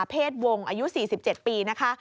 เพศวงศ์อายุ๔๗ปีนะคะ